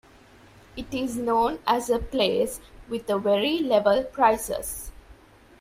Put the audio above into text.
It is known as a place with a very level prices.